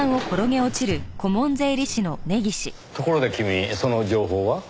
ところで君その情報は？